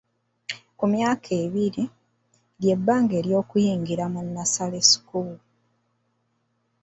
Ku myaka ebiri, lye bbanga ery'okuyingira mu Nursery School.